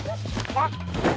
あっ。